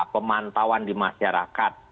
pemantauan di masyarakat